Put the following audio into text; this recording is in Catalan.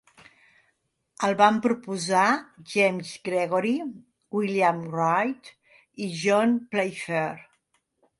El van proposar James Gregory, William Wright i John Playfair.